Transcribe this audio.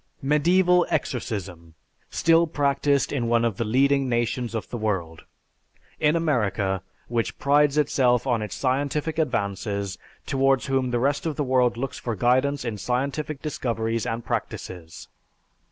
Medieval exorcism still practised in one of the leading nations of the world! In America, which prides itself on its scientific advances, towards whom the rest of the world looks for guidance in scientific discoveries and practices!